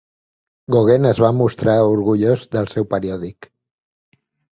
Gauguin es va mostrar orgullós del seu periòdic.